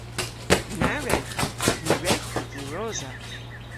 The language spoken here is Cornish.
Na wrewgh! Ny wrewgh hwi diwrosa.